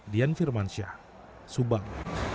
dian firmansyah subang